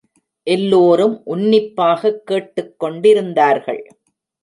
எல்லோரும் உன்னிப்பாக கேட்டுக்கொண்டிருந்தார்கள்.